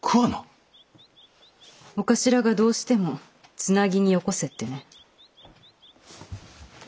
お頭が「どうしてもつなぎによこせ」ってね。